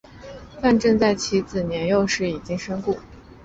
范正在其子年幼时已经身故。